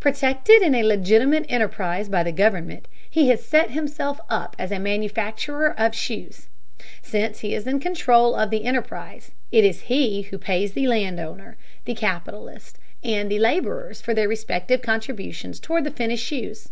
Protected in a legitimate enterprise by the government, he has set himself up as a manufacturer of shoes. Since he is in control of the enterprise, it is he who pays the land owner, the capitalist, and the laborers, for their respective contributions toward the finished shoes.